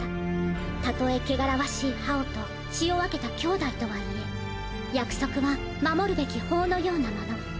たとえ汚らわしい葉王と血を分けた兄弟とはいえ約束は守るべき法のようなもの。